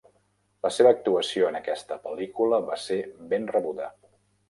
La seva actuació en aquesta pel·lícula va ser ben rebuda.